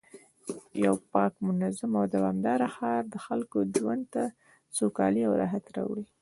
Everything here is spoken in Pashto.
یو پاک، منظم او دوامدار ښار د خلکو ژوند ته سوکالي او راحت راوړي